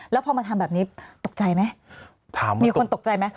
แล้วพอมาทำแบบนี้ตกใจไหมมีคนตกใจไหม